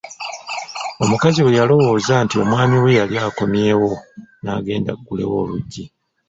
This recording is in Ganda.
Omukazi bwe yalowooza nti omwami we y'ali akomyewo n'agenda aggulewo oluggi.